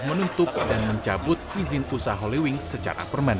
menuntut dan mencabut izin usaha holy wings secara permanen